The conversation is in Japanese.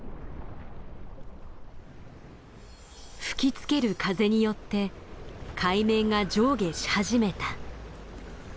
吹きつける風によって海面が上下し始めた。